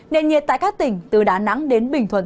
nền nhiệt tại các tỉnh từ đà nẵng đến bình thuận